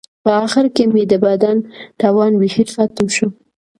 په آخر کې مې د بدن توان بیخي ختم شو.